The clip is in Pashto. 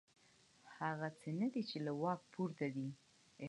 هغه څه نه دي چې له واک پورته دي.